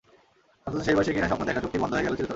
অথচ সেই বয়সেই কিনা স্বপ্ন দেখা চোখটি বন্ধ হয়ে গেল চিরতরে।